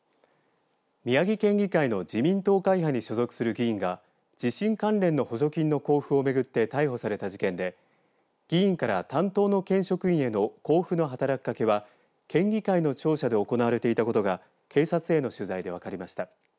宮城県議会の自民党会派に所属する議員が地震関連の補助金の交付を巡って逮捕された事件で議員から担当の県議職員への交付の働きかけは、県議会の庁舎で行われていたことが警察への取材で分かりました。